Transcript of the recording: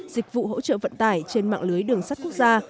dịch vụ hỗ trợ vận tải trên mạng lưới đường sắt quốc gia